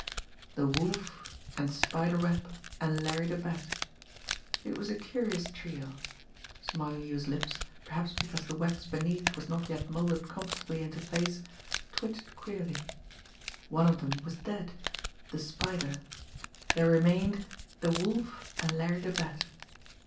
The Wolf and Spider Webb and Larry the Bat! It was a curious trio! Smarlinghue's lips, perhaps because the wax beneath was not yet moulded comfortably into place, twitched queerly. One of them was dead the Spider. There remained the Wolf and Larry the Bat!